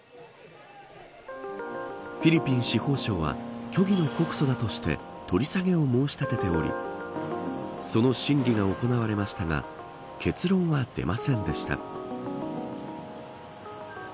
フィリピン司法省は虚偽の告訴だとして取り下げを申し立てておりその審理が行われましたが結論は出ませんでした。